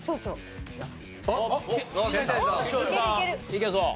いけそう？